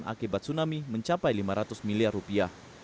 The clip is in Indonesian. akibat tsunami mencapai lima ratus miliar rupiah